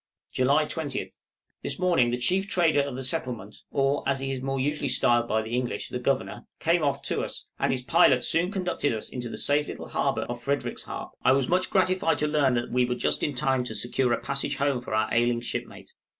July 20th. This morning the chief trader of the settlement, or, as he is more usually styled by the English, the Governor, came off to us, and his pilot soon conducted us into the safe little harbor of Frederickshaab. I was much gratified to learn that we were just in time to secure a passage home for our ailing shipmate.